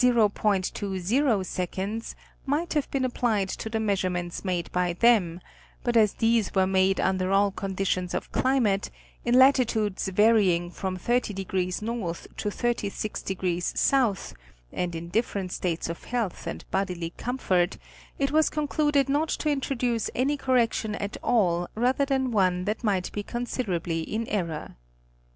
20 might have been applied to the measurements made by them, but as these were made under all conditions of climate, in latitudes varying from 30° N. to 36° 8. and in different states of health and bodily com fort, 1t was concluded not to introduce any correction at all rather than one that might be considerably in error.